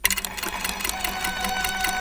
ما د سبا لپاره د سوالونو جواب ورکړی دی!